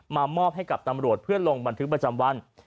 มอบให้กับตำรวจเพื่อลงบันทึกประจำวัน